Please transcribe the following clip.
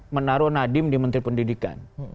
menaruh nadiem di menteri pendidikan